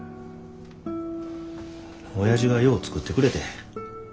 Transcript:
おやじがよう作ってくれてん。